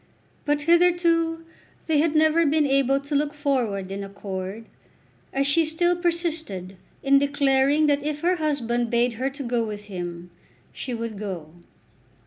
But hitherto they had never been able to look forward in accord, as she still persisted in declaring that if her husband bade her to go with him, she would go.